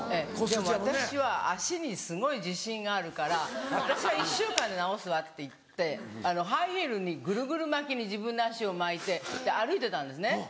でも私は足にすごい自信があるから私は１週間で治すわって言ってハイヒールにぐるぐる巻きに自分の足を巻いて歩いてたんですね